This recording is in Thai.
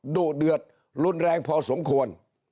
ดุเดือดรุนแรงพอสมควร